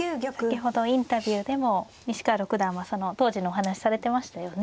先ほどインタビューでも西川六段はその当時のお話されてましたよね。